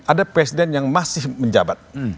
ada presiden yang masih menjabat